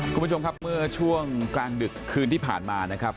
คุณผู้ชมครับเมื่อช่วงกลางดึกคืนที่ผ่านมานะครับ